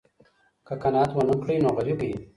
که قناعت ونه کړې نو غریب یې.